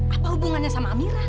apa hubungannya sama amira